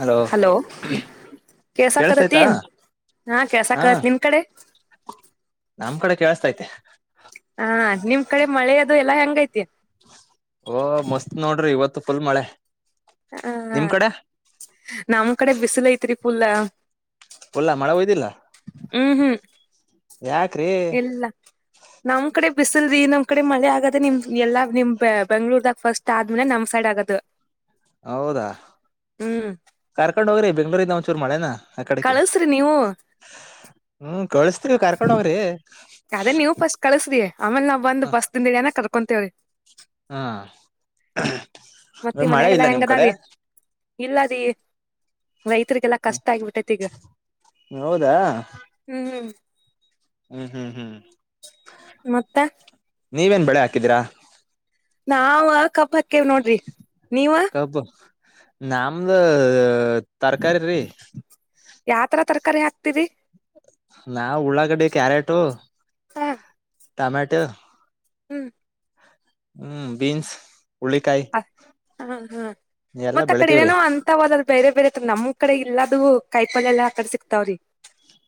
Hello ಕೇಳಸ್ತಯ್ತಾ ಕೆೇಳಸಾಕ್ದತಿ ಹಾ ಕೆಳ್ಸಾಕ್ದತಿ ನಿಮ್ ಕಡೆ ನಮ ಕಡೆ ಕೇಳಸ್ತೈತೆ ನಿಮ್ಮ ಕಡೆ ಮಳೆ ಅದು ಎಲ್ಲ ಹೆಂಗ ಐತಿ ಓ ಮಸ್ತ್ ನೋಡ್ರಿ ಇವತ್ತು ಫುಲ್ ಮಳೆ ಹ ನಿಮ್ ಕಡೆ ನಮ್ಮ ಕಡೆ ಬಿಸಿಲ ಐತ್ರಿ ಫುಲ್ಲಾ ಫುಲ್ಲಾ ಮಳೆ ಒಯ್ದಿಲ್ಲ ಹ್ಮ್ ಹ್ಮ್ ಯಾಕ್ರೀ ಇಲ್ಲ ನಮ್ ಕಡೆ ಬಿಸಿಲರಿ ನಮ್ ಕಡೆ ಮಳ ಆಗದೆ ನಿಮ್ ಎಲ್ಲಾ ನಿಮ್ ಬೆಂಗ್ಗಳೂರ್ದಾಗ ಫಸ್ಟ್ ಆದ್ಮೇಲೆ ನಮ್ ಸೈಡ್ ಆಗದು ಹೌದಾ ಹ್ಮ್ ಕರ್ಕೊಂಡ್ ಹೋಗ್ರಿ ಬೆಂಗ್ಳೂರ್ ಇಂದ್ ಒಂಚೂರು ಮಳೇನ ಕಳಸ್ರಿ ನೀವು ಹ್ಮ್ ಕಳಸ್ತೀವಿ ಕರ್ಕೊಂಡ್ ಹೋಗ್ರಿ ಅದೇ ನೀವು ಫಸ್ಟ್ ಕಳಸ್ರಿ ಆಮೇಲೆ ನಾವ್ ಬಂದು ಬಸ್ ದಿಂದ ಇಮ್ಯಾಜಿನ್ ಕರ ವಂತೇಳಿ ಹಾ ಮತ್ತ ನಿಮ್ಮ ಮಳೆ ಮನ್ಯಾಗೆಲ್ಲ ಇಲ್ಲ ಹೆಂಗ ನಿಮ್ ಅದ ಕಡೆ ರೀ ಇಲ್ಲ ರೀ ರೈತರಿಗೆಲ್ಲಾ ಕಷ್ಟ ಆಗಿಬಿಟ್ಟೈತಿ ಈಗ ಹೌದಾ ಹ್ಮ್ ಹ್ಮ್ ಹ್ಮ್ ಮತ್ತ ನೀವೇನ್ ಬೆಳೆ ಹಾಕಿದೀರಾ ನಾವ ಕಬ್ಬಾಕ್ಕೆೇವ ನೋಡ್ರಿ ನೀವ ಕಬ್ಬು ನಮ್ದ ತರಕಾರಿ ರೀ ಯಾವ ತರ ತರಕಾರಿ ಹಾಕ್ತಿರಿ ನಾವ ಉಳ್ಳಾಗಡಿ ಕ್ಯಾರೆಟು ಹಾ ಟಮ್ಯಾಟ ಹ್ಮ್ ಹ್ಮ್ ಬೀನ್ಸ್ ಹುಳ್ಳಿಕಾಯಿ ಹ ಹ ಹಾ ಎಲ್ಲಾ ಮತ್ತ ಅ ಕಡೆ ಬೆಳಿತೀವ್ರಿ ಏನೇನೋ ಅಂತ ಹದ ಬೇರೆ ಬೇರೆ ನಮವು ಕಡೆ ಇಲ್ಲಾದೂ ಕಾಯಿಪಲ್ಯಲ್ಲ ಅಕಡಿ ಸಿಕ್ತಾವ್ರಿ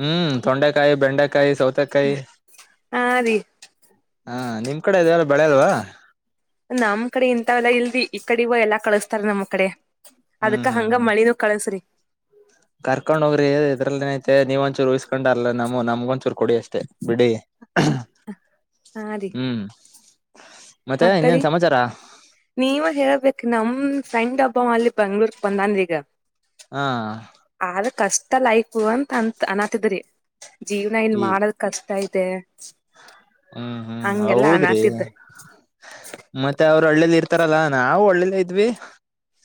ಹ್ಮ್ ತೊಂಡೆಕಾಯಿ ಬೆಂಡೆಕಾಯಿ ಸೌತೆಕಾಯಿ ಹಾ ರೀ ಹಾ ನಿಮ್ ಕಡೆ ಇದೆಲ್ಲ ಬೆಳೆಲ್ವಾ ನಮ್ಮ್ ಕಡೆ ಇಂಥವೆಲ್ಲಾ ಇಲ್ಲರೀ ಈ ಕಡಿವ ಎಲ್ಲಾ ಕಳಸ್ತಾರ ನಮ್ಮ್ ಕಡೆ ಹ್ಮ್ ಅದಕ್ಕ ಹ್ಮ್ ಹಂಗ ಹ್ಮ್ ಮಳಿನೂ ಕಳಸ್ರಿ ಕರ್ಕೊಂಡ್ ಹೋಗ್ರಿ ಇದ್ರಲ್ಲಿ ಏನೈಐತೆ ನೀವ ಒಂಚೂರ ಉಯಿಸ್ಕೊಂಡ ಅಲ್ಲ ನಮ್ಮ ನಮಗ ಒಂಚೂ ಕೊಡಿ ಅಷ್ಟೆ ಬಿಡಿ ಹಾ ರೀ ಹ್ಮ್ ಮತ್ತೆ ಮತ್ತರಿ ಇನ್ನೇನ್ ಸಮಾಚಾರ ನೀವ ಹೇಳಬೇಕು ನಮ್. ಸೈನ್ಡಬ್ಬ ಅಲ್ಲಿ ಬೆಂಗ್ಳೂರ್ ಬಂದಾನ್ರಿಗ. ಹಾ ಆದ್ ಕಷ್ಟ ಲೈಫು ಅಂತ ಅಂತ್ ಅನಾತಿದ್ರಿ ಜೀವನ ಇಲ್ ಈ ಮಾಡದ್ ಕಷ್ ಷ್ಟ ಐತೆ ಹ್ಮ್ ಹ್ಮ್ ಹೌದ್ರಿ ಅನಾತಿದ್ದ ಮತ್ತೆ ಅವ್ರು ಹಳ್ಳಿಲ್ ಇರ್ ಇತರಲ್ಲಾ ನಾವು ಹಳ್ಳಿಲೆ ಇದ್ವಿ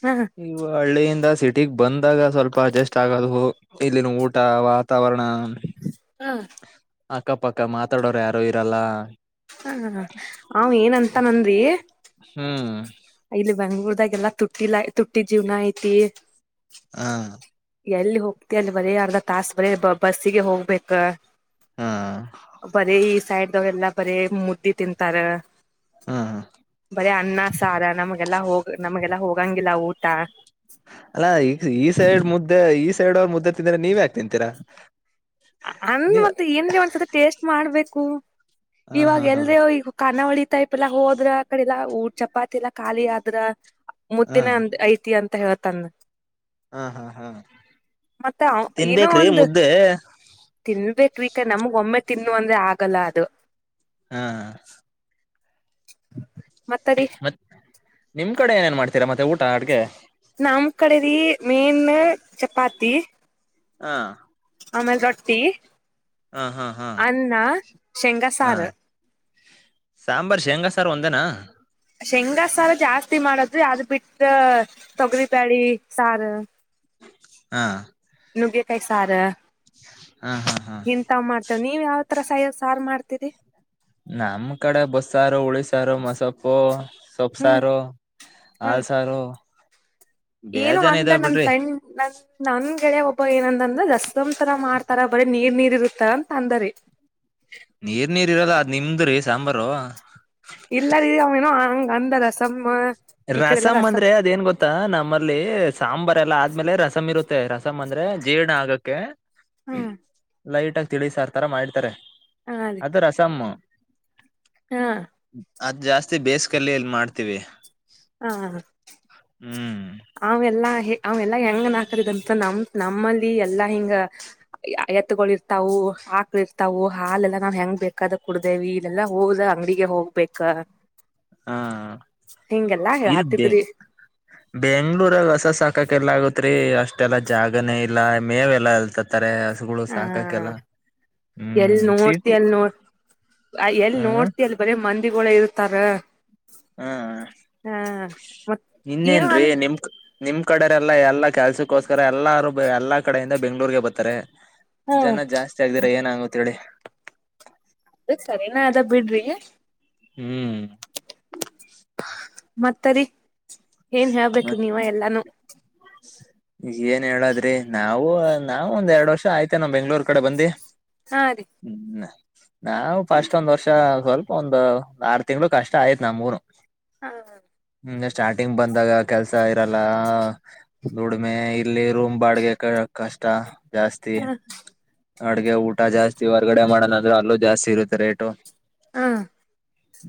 ಹ ಈ ಹಳ್ಳಿಯಿಂದ ಸಿ ಸಿಟಿಗ್ ಬಂದಾಗ ಸ್ವಲ್ಪ ಅಡ್ಜಸ್ಟ್ ಆಗೋದು ಇಲ್ಲಿನ್ ಊಟ ವಾತಾವರ್ ಣ ಹ ಅಕ್ಕಪಕ್ಕ ಮಾತಾಡೋರ್ ಯಾರು ಇರಲ್ಲ. ಹ ಹ ಅವ್ ಏನಂತನಂನ್ರೀ. ಹ್ಮ್ ಇಲ್ಲಿ ಬೆಂಗ್ಳೂರ್ದಾಗ ಎಲ್ಲಾ ತುಟ್ಟಿಲ್ ತುಟ್ಟಿದ್ ಜೀವ್ನ ಐತಿ. ಆ ಎಲ್ಲಿ ಹೋಗ್ತ ಅಲ್ಲಿ ಬರೇ ಅರ್ಧ ತಾಸ ಬರೇ ಬಸ್ಸಿಗೆ ಹೋಗ್ಬೇಕ. ಹಾ ಬರೇ ಈ ಸೈಡ್ದಗೆಲ್ಲ ಬರೀ ಮುದ್ದಿ ತಿಂತಾರ. ಹಾ ಬರೀ ಅನ್ನ ಸಾರ ನಮ್ಗೆಲ್ಲಾ ಹೋಗ ನಮ್ಗೆಲ್ಲಾ ಹೋಗಂಗಿಲ್ಲ ಊಟ. ಅಲ್ಲಾ ಈ ಈ ಸೈಡ್ ಮುದ್ದೆ ಈ ಸೈಡ್ ಅವ್ರ್ ಮುದ್ದೆ ತಿಂದ್ರೆ ನೀವ್ ಯಾಕ್ ತಿಂತೀರಾ. ಅನ್ ನೀವ್ ಮತ್ ಏನ್ರಿ ಒಂದ್ಸತಿ ಟೇಸ್ಟ್ ಮಾಡ್ಬೇಕು ಹ ಹಾ ಇವಾಗ್ ಹಾ ಎಲ್ಯೊ ಈಗ ಖಾನಾವಳಿ. ಟೈಪ್ ಎಲ್ಲಾ ಹೋದ್ರ ಆ ಕಡೆ ಎಲ್ಲ ಊಟ ಚಪಾತಿ ಎಲ್ಲಾ ಖಾಲಿ ಆದ್ರ ಹಾ ಮುದ್ದಿನ ಅ ಐತಿ ಅಂತ್. ಹೇಳ್ ತನ್. ಹಾ ಹಾ ಹಾ ತಿನ್ಬೇಕ್ರಿ ಮುದ್ದೆ. ತಿನ್ಬೇಕ್ರೀ ಇಗ್ ನಮ್ಗ್ ಒಮ್ಮೆ ತಿನ್ಬೇಕ್ ಅಂದ್ರೆ ಆಗಲ್ಲ ಅದು. ಹಾ ಮತ್ತರಿ ನಿಮ್ಕಡೆ ಏನೇನ್ ಮಾಡ್ತೀರ ಮತ್ತೆ ಊಟ ಅಡ್ಗೆ. ನಮ್ ಕಡೆರಿ ಮೇನ್ ಚಪಾತಿ. ಹಾ ಆಮೇಲೆ ರೊಟ್ಟಿ ಹಾ ಹಾ ಹಾ ಅನ್ನ ಶೇಂಗ ಹಾ ಸಾರು. ಸಾಂಬಾರ್ ಶೇಂಗಾಸಾರು ಒಂದೇನಾ ಶೇಂಗ ಸಾರ್ ಜಾಸ್ತಿ ಮಾಡ್ದ್ವಿ ಅದ್ ಬಿಟ್ಟ ತೊಗ್ರಿಬ್ಯಾಳಿ. ಸಾರ ಹಾ ನುಗ್ಗೆಕಾಯ್ ಸಾರ ಹಾ ಹಾ ಹಾ ತ ನೀವ್ ಯಾವ ತರ ಸಹ ಸಾರ್ ಮಾಡ್ತೀರಿ. ನಮ್ಮ್ ಕಡೆ ಬಸ್ಸಾರು ಉಳಿಸಾರು ಮೊಸೊಪ್ಪು. ಸೊಪ್ ಹ್ಮ್ ಸಾರು ಹ ಹಾಲ್ ಸಾರು ಏನು ಅಂದ ನನ್ ಫ್ರೆಂಡ್ ನನ್ ನನ್ ಗೆಳ್ಯಾ ಒಬ್ ಪ್ಪ ಏನಂದಂದ್ರ ರಸಂ ತರ ಮಾಡ್ತಾರ ಬರೀ ನೀರ್ ನೀರ್ ಇರುತ್ತಾ ಅಂತ ಅಂದರಿ. ನೀರ್ ನೀರ್ ಇರಲ್ಲ ನಿಮ್ದ್ರಿ ಸಾಂಬಾರು ಇಲ್ಲಾರಿ ಅವೇನು ಹಂಗ್ ಅಂದ ರಸಮ್ಮ. ರಸಮ್ ಅಂದ್ರೆ ಅದೇನ್ ಗೊತ್ತಾ ನಮ್ಮಲ್ಲಿ ಸಾಂಬಾರ್ ಎಲ್ಲಾ ಆದ್ಮೇಲೆ ರಸಂ ಇರುತ್ ತ್ತೆ ರಸಂ ಅಂದ್ರೆ ಜೀರ್ಣ ಆಗಕ್ಕೆ ಹ್ಮ್ ಲೈಟ್ ಆಗ್ ತಿಳಿಸಾರ್ ತರ ಮಾಡಿರ್ತರೆ. ಹಾ ರೀ ಅದು ರಸಮ್ಮ. ಹಾ ಅದ್ ಜಾಸ್ತಿ ಬೇಸ್ಗೆಲ್ಲಿ ಮಾಡ್ತೀವಿ. ಹಾ ಹ್ಮ್ ಅವೆಲ್ಲಾ. ಅವೆಲ್ಲಾ ಹೆಂಗನ್ ಹಕರಿದಂತ ನಮ್ ನಮ್ಮಲ್ಲಿ ಎಲ್ಲಾ ಹಿಂಗ ಎತ್ತಗಳ ಇರ್ತ್ತಾವು. ಆಕ್ಳ ಇರುತ್ತವು ಹಾಲೆಲ್ಲ ಹೆಂಗ್ ಬೇಕಾದ್ ಕೊಡ್ದೇವಿ ಇಲ್ಲೆಲ್ಲಾ ಹೋದ್ರ ಅಂಗ್ಡಿಗೆ ಹೋಗ್ಬೇಕ. ಹಿಂಗೆಲ್ಲಾ ಇಲ್ಲಿ ಹೇಳಾತಿದ್ರಿ ಬೆಂಗ್ ಬೆಂಗ್ಳೂರಲ್ಲಿ ಹಸ ಸಾಕಕ್ ಎಲ್ ಆಗುತೆ. ರಿ ಅಷ್ಟೆಲ್ಲಾ ಜಾಗನೇ ಇಲ್ಲ ಮೇವೆಲ್ಲಾ ಎಲ್ ತತರೆ. ಹಸಗಳು ಆ ಸಾಕಕೆಲ್ಲ ಹ್ಮ್ ಸೀತಿ ಎಲ್ಲಿ ನೋಡ್ತಿ ಅಲ್ಲಿ ಬರಿೀ ಮಂದಿಗಳ ಇರ್ತಾರ ಹಾ ಹ ಮತ್ ಏನೋ ನಿನ್ನೇನ್ರೀ ಅನ್ ನಿಮಕ್ ನಿಮ್ ಕಡೆರೆಲ್ಲಾ ಎಲ್ಲಾ ಕೆಲ್ಸಕ್ಕೋಸ್ಕರ ಎಲ್ಲಾರು ಎಲ್ಲಾ ಕಡೆಯಿಂದ ಬೆಂಗಳೂರು ಗೆ ಬರತ್ತಾರೆ ಹಾ ಜನ ಜಾಸ್ತಿ ಆಗ್ದೀರ ಏನು ಆಗುತ್ತೆ ಹೇಳಿ ಅದ ಸರಿನ ಅದ ಬಿಡ್ರಿ ಹ್ಮ್ ಮತ್ತರಿ ಏನ್ ಹೇಳ್ಬೇಕು ಮತ್ ನೀವೇ ಎಲ್ಲಾನೂ ಏನ್ ಹೇಳದ್ರಿ ನಾವು ನಾವವು ಒಂದ್ ಎರಡ್ ವರ್ಷ ಆಯ್ತ ಏನು ನಮ್ಮ್ ಬೆಂಗಳೂರು ಕಡೆ ಬಂದಿ ಹಾ ರೀ ಹ್ಮ್ ನಾವು ಫಸ್ಟ್ ಒಂದ್ ವರ್ಷ ಸ್ವಲ್ಪ ಒಂದು ಆರು ತಿಂಗಳು ಕಷ್ಟ ಆಯ್ತ್ ನಮ್ಮಗೊನು ಹಾ ಹ್ಮ ಸ್ಟಾರ್ಟಿಂಗ್ ಬಂದಾಗ ಕೆಲ್ಸ ಇರಲ್ಲ ದುಡಿಮೆ ಇಲ್ಲಿ ರೂಮ್ ಬಾಡ್ಗೆ ಕಷ್ಟ ಜಾಸ್ತಿ ಹ ಅಡುಗೆ ಊಟ ಜಾಸ್ತಿ ಹೊರ್ಗಡೆ ಮಾಡೋಣಂದ್ರೆ ಅಲ್ಲೂ ಜಾಸ್ತಿ ಇರುತ್ತೆ ರೇಟು ಹಾ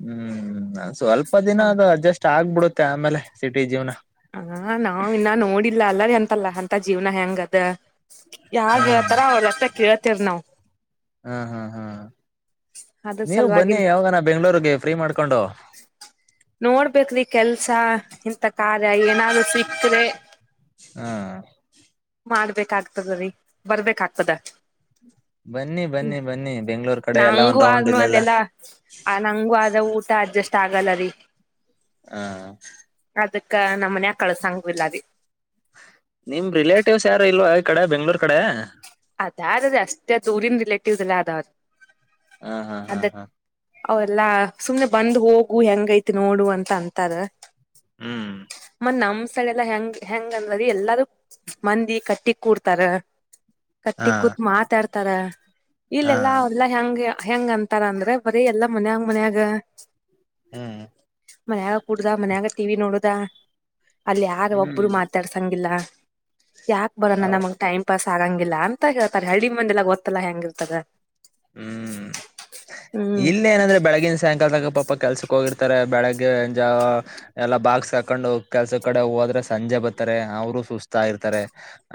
ಹ್ಮ್ ಸ್ವಲ್ಪ ದಿನ ನಾ ಅದು ಅಡ್ಜಸ್ಟ್ ಆಗ್ಬಿಡುತ್ತೆ ಆಮೇಲೆ ಸಿಟಿ ಜೀವನ ಹ ನಾವ್ ಇನ್ನ ನೋಡಿಲ್ಲ ಅಲ್ಲರಿ ಎಂತಲ್ಲ ಅಂತ ಜೀವ್ನ ಹೆಂಗ ಅದ ಹಾ ಯಾವಾಗ್ ಹೇಳ್ತಾರ ಅವಲತ್ತ ಕೇಳ್ತೇರ್ ನಾವ್ ಹ್ಮ ಹಾ್ ಹ್ಮ್ ಅದ್ರ ನೀವು ಬನ್ನಿ ಸಲುವಾಗಿನ್ ಯಾವಾಗ ಬೆಂಗಳೂರು ಗೆ ಫ್ರೀ ಮಾಡ್ಕ ಕೊಂಡು ನೋಡ್ಬೇಕೇರಿ ಕೆಲ್ಸ ಇಂಂತ ಕಾರ್ಯ ಏನಾದ್ರು ಸಿಕ್್ರೆ ಹಾ ಮಾಡ್ಬೇಕಾಗ್ತದ ರೀ ಬರ್ಬೇಕಾಗ್ತದ ಬನ್ನಿ ಬನ್ನಿ ಬನ್ನಿ ಬೆಂಗಳೂರ್ ನಂಗು ಆದ್ನುೂ ಅಲ್ಲೆಲ್ಲ ಆ ನಂಗು ಆದ ಊಟ ಅಡ್ಜಸ್ಟ್ ಆಗಲ್ಲ ರೀ ಹಾ ಅದಕ್ಕ ನಮ್ಮ ಮನ್ಯ ಕಳ್ಸಂಗಿಲ್ಲದ ನಿಮ್ ರಿಲೇಟಿವ್ಸ್ ಯಾರು ಇಲ್ವಾ ಈ ಕಡೆ ಬೆಂಗಳೂರು ಕಡೆ ಅದಾರೆ ಅಷ್ಟೇ ದೂರಿನ್ ರಿಲೇಟಿವ್ಸ್ ಎಲ್ಲ ಅದಾವ್ರ ಹ ಹ ಹ ಅದ ಹ ಅವೆಲ್ಲಾ ಸುಮ್ನೆ ಬಂದು್ ಹೋಗು ಹೆಂಗೈತಿ ನೋಡು ಅಂತ ಂತ ಅದ ಹ್ಮ್. ಮತ್ತೆ ನಮ್ಮ ಸಳೆಲ್ಲ ಹೆಂಗ ಹೆಂಗಂದದ ಎಲ್ಲಾರೂ ಮಂದಿ ಕಟ್ಟಿ ಕೂಡ್ತಾರ ಕಟ್ಟಿ ಹಾ ಕೂತ್ ಮಾತಾಡ್ತ ತರ ಹಾ ಇಲ್ಲಲ್ಲಾ ಅವ್ರಲ್ಲಾ ಹೆಂಗ ಹೆಂಗ ಅಂತಾರ ಅಂದ್ರೆ ಬರೀ ಎಲ್ಲಾ ಮನ್ಯಂಗ್ ಮನ್ಯಾಗ ಹ್ಮ್ ಮನ್ಯಾಗ ಕೂಡ್ದ ಮನೆಯಲ್ಲಿ ಟಿ ವಿ ನೋಡುದ ಅಲ್ಲಿ ಯಾರ ಹ್ಮ್ ಒಬ್ರು ಮಾತಾಡ್ಸಂಗಿಲ್ಲ ಯಾಕ ಬರೋಣ ಹೌ ನಮಗ್ ಟೈಮ್ ಪಾಸ್ ಆಂಗಿಲ್ಲ ಅಂತ ಹೇಳ್ತಾರೆ ಹಳ್ಳಿ ಮಂದೆಲ್ಲ ಗೊತ್ತಲ್ಲ ಹೆಂಗಿರ್ತದ ಹ್ಮ್ ಹ್ಮ್ ಇಲ್ಲ ಏನಂದ್ರೆ ಬೆಳಗಿನ ಸಾಯಂಕಾಲದಗ ಪ ಪಪ ಕೆಲ್ಸಕ್ ಹೋಗಿರ್ತಾರೆ ಬೆಳಗ್ಗೆ ಎಲ್ಲಾ ಬಾಗ್ಸ್ ಕಾಕೊಂಡು ಕೆಲ್ಸ ಕಡೆ ಹೋದ್ರೆ ಸಂಜೆ ಬರತಾರೆ ಬರ್ತಾರೆ ಅವರು ಸುಸ್ತಾ ಇರ್ತಾರೆ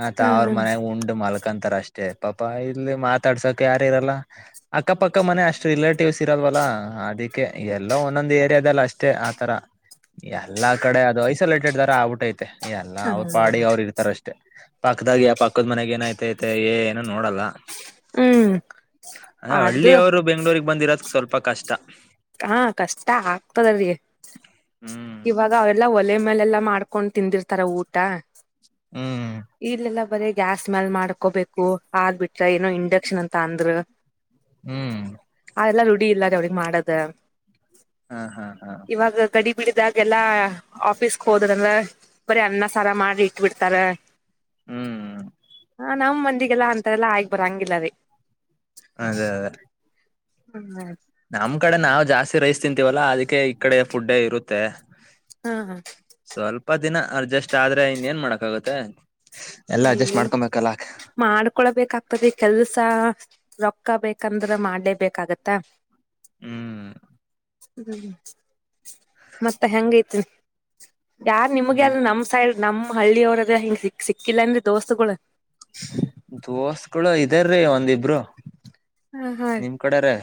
ಮತ್ತ ಅವ್ರ ಹ್ಮ್ ಮನ್ ಉಂಡ್ ಮಲ್ಕೊಂತಾರ ಅಷ್ಟೇ ಪಾಪಾ ಇಲ್ಲಿ ಮಾತಾಡ್ಸೋಕ್ ಯಾರ ಇರಲ್ಲ ಅಕ್ಕಪಕ್ಕ ಮನೆ ಅಷ್ಟ್ ರಿಲೇಟಿವ್ಸ್ ಇರಲ್ವಲ್ಲ ಅದಕ್ಕೆ ಎಲ್ಲ ಒಂದೊಂದ್ ಏರಿಯಾದಲ್ಲಿ ಅಷ್ಟೇ ಆಥರ ಎಲ್ಲಾ ಕಡೆ ಅದು ಐಸೋಲೇಟೆಡ್ ದಾರ ಆಗ್ಬಿಟ್ಟ ೈತೆ ಎಲ್ಲಾ ಹ್ಮ್ ಅವ್ರ ಪಾಡಿ ಅವ್ರು ಇರ್ತಾರ ಅಷ್ಟೆ ಪಕ್ಕದಾಗ ಆ ಪಕ್ಕದ ಮನೆಾಗ ಏನಐತೆ ಐತೆ ಏನು ನೋಡಲ್ಲ ಹ್ಮ್ ಅದೇ ಅದು ಹಳ್ಳಿಯ ಅವರು ಬೆಂಗ್ಳೂಗ್ ಬಂದಿರೋದ ಸ್ವಲ್ಪ ಕಷ್ಟ ಹಾ ಕಷ್ಟ ಆಗ್ತದಲ್ರಿ ಹ್ಮ್ ಇವಾಗ ಅವೆಲ್ಲ ಒಲೆ ಮೇಲೆಲ್ಲಾ ಮಾಡ್ಕೊಂಡು ತಿಂದಿರ್ತಾರ ಊಟ ಹ್ಮ್ ಬರೇ ಗ್ಯಾಸ್ ಮ್ಯಾಲ್ ಮಾಡ್ಕೋಬೇಕು ಆದ್ ಬಿಟ್ರ ಏನೋ ಇಂಡಕ್ಷನ್ ಅಂತ ಅಂದ್ರ. ಹ್ಮ್. ಅಡಿ ಇಲ್ಲಾ ಅವಳಿಗೆ ಮಾಡದು. ಹಾ ಹಾ ಹಾ. ಬಿಡಿದಾಗೆಲ್ಲಾ ಆಫೀಸ್ಕ್ ಹೋದ್ರಂದ್ರ ಬರಿ ಅನ್ನ ಸಾರ ಮಾಡ್ರಿ ಇಟ್ಟ ಬಿಡ್ತಾರ. ಹ್ಮ್ ಹಾ ನಮ್ ಮಂದಿಗೆಲ್ಲ ಅಂತಾರವೇಲ್ಲ ಆಯ್ಕ್ ಬರಂಗಿಲ್ಲ ರಿ. ಅದೇ ಅದೇ ಹ್ಮ್ ಆಯ್ತ. ನಮ್ ಕಡೆ ನಾವು ಜಾಸ್ತಿ ರೈಸ್ ತಿಂತೀವಲ್ಲಾ ಅದಕ್ಕೆ ಈ ಕಡೆ ಫುಅಡ್ ಇರುತ್ತೆ. ಹಾ ಸ್ವಲ್ಪ ದಿನ ಅಡ್ಜಸ್ಟ್ ಆದ್ರೆ ಇನ್ನೇನ್ ಮಾಡಕ್ ಆಗತ್ತೆ. ಹ್ಮ ಮಾಡ್ಕೊಳ್ಬೇಕ್ತತೆ ಕೆಲ್ಸ. ರೊಕ್ಕ ಬೇಕಂದ್ರೆ ಮಾಡ್ಲೆ ಬೇಕಾಗತ್ತ. ಹ್ಮ್. ಹ್ಮ್ ಮತ್ತೆ ಹೆಂಗ ಐತಿ ಯಾರ್ ನಿಮ್ಗೆ ಹ್ಮ್ ಯಾರ್ ನಮ ಸೈಡ್. ನಮ ಹಳ್ಳಿಯ ಅವರ ಅದ ಹಿಂಗ ಸಿಕ್ ಸಿಕ್ಕಿಲ್ಲನ್ರಿ ದೋಸ್ತಗಳು. ದೋಸ್ಗಳು ಇದರಿ ಒಂದಿಬ್ರು ಹ ಹಾ ನಿಮ್ ಕಡೆರೇ.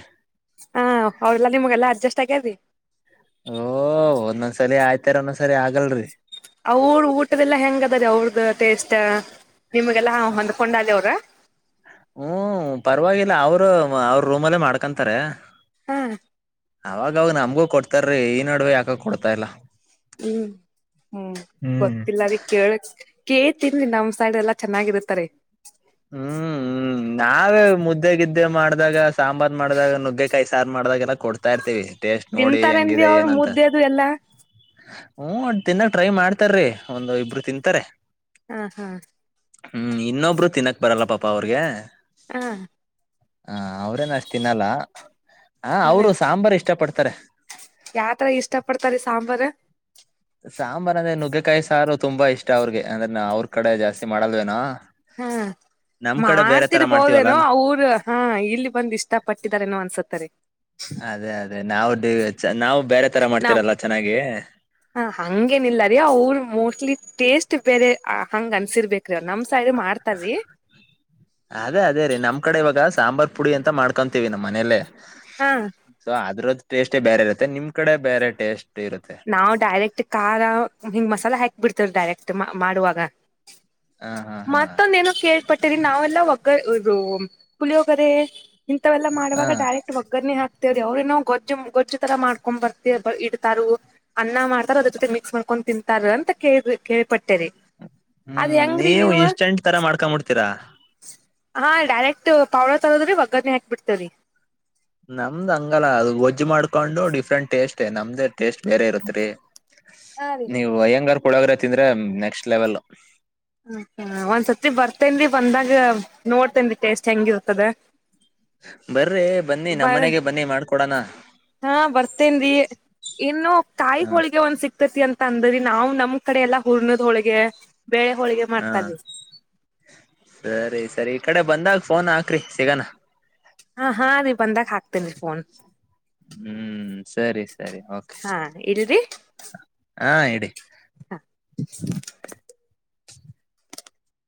ಹಾ ಅವೆಲ್ಲಾ ನಿಮ್ಗೆಲ್ಲಾ ಅಡ್ಜಸ್ಟ್ ಆಗ್ಯಾರಿ. ಓ ಒಂದೊಂದ್ಸರಿ ಆಯ್ತಾರ ಒಂದೊಂದ್ಸರಿ ಆಗಲ್ರಿ. ಅವ್ರ ಊಟದೆಲ್ಲ ಹೆಂಗ ಅದರ ಅವ್ರದ. ಟೆಸ್ಟ್ ನಿಮ್ಗೆಲ್ಲಾ ಹೊಂದ್ಕೊಂಡಾರಿ ಅವ್ರ. ಹ್ಮ ಪರವಾಗಿಲ್ಲ ಅವರು ಅವ್ರ ರೂಮ್ಲ್ಲೇ ಮಾಡ್ಕೊಂತಾರೆ. ಹಾ. ಅವಾಗ ಅವಾಗ ನಮ್ಗೂ ಕೊಡ್ತಾರೀ ಈ ನಡವಿ ಯಾಕ ಕೊಡ್ತಿಲ್ಲ. ಹ್ಮ್ ಹ್ಮ್ ಗೊತ್ತಿಲ್ಲರಿ ಕೇಳಕ್. ಕೆಳ್ ತಿನ್ನಿ ನಮ್ ಸೈಡ್ ಎಲ್ಲಾ ಚೆನ್ನಾಗಿರ್ತ್ತಾರಿ. ಹ್ಮ್ ಹ್ಮ್ ನಾವೇ ಮುದ್ದೆ ಗಿದ್ದೆ ಮಾಡ. ದಾಗ ಸಾಂಬಾರ್ ಮಾಡಿದಾಗ ನುಗ್ಗೆಕಾಯಿ ಸಾರು ಮಾಡಿದಾಗ ಎಲ್ಲ. ಕೊಡ್ತಾ ಇರ್ತೀವಿ ಟೇಸ್ಟ್ ನೋಡಿ ತಿಂತಾರೇನ್ರಿ ಹೆಂಗಿದೆ ಅವ್ರು ಏನಂತ. ಮುದ್ದೆ ಅದು ಎಲ್ಲಾ ಹ್ಮ ತಿನ್ನಕ್ ಟ್ರೈ ಮಾಡ್ತಾರ್ರೀ ಒಂದು ಇಬ್ರು ತಿನ್ಂತಾರೆ. ಹಾ ಹಾ. ಹ್ಮ್ ಇನ್ನೊಬ್ರು ತಿನ್ನಕ್ ಬರಲ್ಲ ಪಾಪಾ ಅವ್ರಿಗೆ. ಹಾ. ಹ ಅವ್ರೇನ ಅಷ್ಟು ತಿನ್ನಲ್ಲ ಆ ಅವ್ರು ಹ ಸಾಂಬಾರು ಇಷ್ಟ ಪಡ್ತಾರೆ. ಯಾವತರ ಇಷ್ಟ ಪಡ್ತಾರಿ ಸಾಂಬಾರ್. ಸಾಂಬಾರ್ ಅಂದ್ರೆ ನುಗ್ಗೆಕಾಯಿ ಸಾರು ತುಂಬಾ ಇಷ್ಟ ಅವ್ರಿಗೆ ಅಂದ್ರೆ ನ ಅವ್ರ ಕಡೆ ಜಾಸ್ತಿ ಮಾಡಲ್ವೇನ. ಹಾ [inaudible] ಮಾಡ್ತಿರ್ಬೋದೇನೋ ಮಾಡ್ತೀವಲ್ಲ ಅವರು ಹಾ ಇಲ್ಲಿ ಬಂದ್ ಇಷ್ಟ ಪಟ್ಟಿದಾರೇನೋ ಅನ್ಸತ್ತರಿ. ಅದೇ ಅದೇ ನಾವು ಡೇ ಚೆನ್ನಾ ನಾವು. ಬೇರೆ ತರ ನಾವ್ ಮಾಡ್ತಿರಲ್ಲ ಚೆನ್ನಾಗಿ ಹಂಗೇನಿಲ್ಲರಿೀಅವರು ಮೋಸ್ಟ್ಲಿ ಟೇಸ್ಟ್. ಬೇರೆ ಹಂಗ್ ಅನ್ಸಿರ್ಬೇಕು. ಅದೇ ಅದೇ ರೀ ನಮ್ ಕಡೆ ಇವಾಗ. ಸಾಂಬಾರ್ ಪುಡಿ ಅಂತ ಮಾಡ್ಕೊಂತೀವಿ ನಮ್ಮ ಮನೆಯಲ್ಲೇ ಹಾ ಸೊ ಅದ್ರದ. ಟೆಸ್ಟ್ ಬೇರೆ ಇರುತ್ತೆ ನಿಮ್ ಕಡೆ ಬೇರೆ ಟೇಸ್ಟ್. ಇರುತ್ತೆ ನಾವು ಡೈರೆಕ್ಟ್ ಖಾರ ಹಿಂಗ್ ಮಸಾಲ ಹಾಕ್ ಬಿಡ್ತವ ಡೈರೆಕ್ಟ್ ಮಾಡುವಾಗ. ಹ ಹಾ ಹಾ ಮತ್ತೊಂದ ಏನು ಕೇಳ್ಪಟ್ಟೀರಿ ನಾವೆಲ್ಲ ಒ. ಗ ಇದು ಪುಳಿಯೋಗರೆ ಇಂಥವೆಲ್ಲ ಹ ಮಾಡುವಾಗ ಡೈರೆಕ್ಟ್ ಒಗ್ಗರಣೆ ಹಾಕ. ತಾರೆ ಅವ್ರ ಏನೋ ಗೊಜ್ಜ ಗೊಜ್ಜ ತರ ಮಾಡಕೊಂಡು ಇಡ್ತರೊ. ಅನ್ನ ಮಾಡ್ತಾರ ಅದ್ರ ಜೊತೆ ಮಿಕ್ಸ್ ಮಾಡ್ಕೊಂಡು ತಿಂತಾರ ಅಂತ ಕೇಳ ಕೇಳ್ಪಟ್ಟೇರಿ. ಅದ್ ಹ್ಮ್ ಹೆಂಗ್ರಿ ನೀವು. ಇನ್ಸ್ಟೆಂಟ್ ತರ ಮಾಡ್ಕೊಂಬಿಡ್ತೀರಾ ಹಾ ಡೈರೆಕ್ಟ್ ಪಾವಳ ತರೋದ್ರಿ ಒಗ್ಗರನೆ ಹಾಕ್ಬಬಿಡ್ತವ್ರಿ. ನಮ್ದ್ ಹಂಗಲ್ಲ ಅ ಗೋಜ್ಜ ಮಾಡ್ಕೊಂಡು ಡಿಫ್ರೆಂಟ್ ಟೇಸ್ಟ್ ನಮ್ದೇ. ಟೇಸ್ಟ್ ಬೇರೆ ಇರತ್ರಿ ಹಾ ರೀ ನೀವು ಅಯ್ಯಂಗಾರ್ ಪುಳೋಗ್ರೇ ತಿಂದ್ರೆ ನೆಕ್ಸ್ಟ್ ಲೆವೆಲ್ಲು. ಹ ಹ ಒಂದ್ಸತಿ ಬರ್ತೇನ್ರಿ ಬಂದಾಗ ನೋಡ್ತೇನ್ರೀ ಟೇಸ್ಟ್ ಹೆಂಗಿರ್ತದ. ಬರ್. ಬನ್ನಿ ಬ ನಮ್ಮನೆಗೆ ಬನ್ನಿ ಮಾಡ್ಕೊಡನಾ. ಹಾ ಬರ್ತೇನ್ರಿ ಇನ್ನು ಕಾಯಿ ಹ ಹೋಳಿಗೆ ಒಂದ್ ಸಿಕ್ತೇತಿ ಅಂತ್. ತಂದರಿ ನಾವು ನಮ್ ಕಡೆ ಎಲ್ಲಾ ಹುರ್ನದ ಹೊಳಗೆ. ಹಾ ಸರಿ ಸರಿ ಈಕಡೆ ಬಂದಾಗ ಫೋನ್ ಹಾಕ್ರಿ ಸಿಗಣಾ. ಹಾ ಹಾ ರೀ ಬಂದಾಗ್ ಹಾಕ್ತೇನ್ರಿ ಫೋನ್. ಹ್ಮ್ ಸರಿ ಸರಿ ಓಕೆ ಹಾ ಇಡ್ಲ್ರಿ ಆ ಇಡಿ. ಹಾ.